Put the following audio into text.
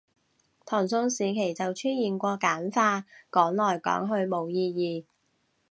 唐宋時期就出現過簡化，講來講去冇意義